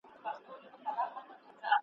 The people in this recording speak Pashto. اشارو او استعارو څخه بې برخي کړو ,